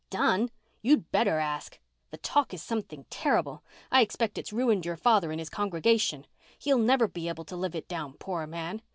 "Done! You'd better ask! The talk is something terrible. I expect it's ruined your father in this congregation. He'll never be able to live it down, poor man!